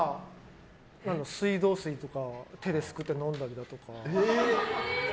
水道水とかを手ですくって飲んだりとか。